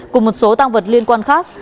cùng một số tăng vật liên quan khác